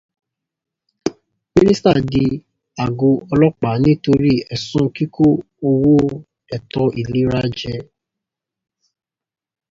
Mínísítà dèrò àgọ́ ọlọ́pàá nítorí ẹ̀sùn kíkó owó ètò ìlera jẹ.